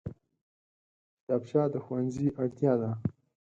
کتابچه د ښوونځي اړتیا ده